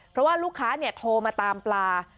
เพราะว่าลูกค้าโทรมาตามปลา